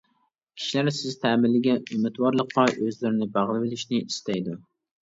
كىشىلەر سىز تەمىنلىگەن ئۈمىدۋارلىققا ئۆزلىرىنى باغلىۋېلىشنى ئىستەيدۇ.